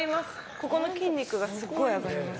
ここの筋肉がすごく上がります。